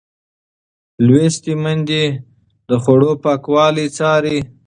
لوستې میندې د خوړو پاکوالی څاري.